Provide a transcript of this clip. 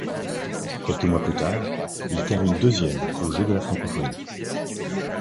Quelques mois plus tard, il termine deuxième aux Jeux de la Francophonie.